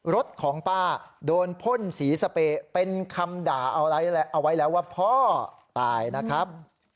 รถของป้าโดนพ่นสีสเปย์เป็นคำด่าเอาไว้แล้วว่าพ่อตายนะครับ